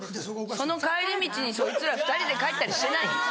その帰り道にそいつら２人で帰ったりしてない？